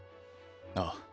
ああ。